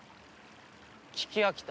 聞き飽きた。